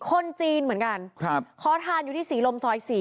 คนจีนเหมือนกันขอทานอยู่ที่ศรีลมซอย๔